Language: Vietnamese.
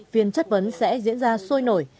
phiên chất vấn sẽ diễn ra sôi nổi